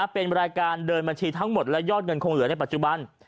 เป็นรายการเดินบัญชีทั้งหมดและยอดเงินคงเหลือในปัจจุบัน